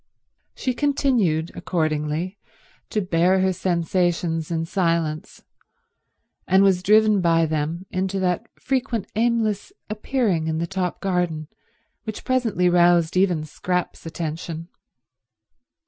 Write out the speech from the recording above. She continued, accordingly, to bear her sensations in silence, and was driven by them into that frequent aimless appearing in the top garden which presently roused even Scrap's attention.